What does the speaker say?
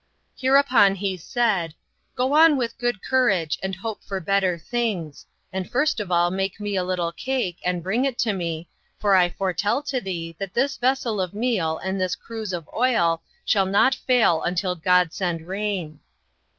Hereupon he said, "Go on with good courage, and hope for better things; and first of all make me a little cake, and bring it to me, for I foretell to thee that this vessel of meal and this cruse of oil shall not fail until God send rain."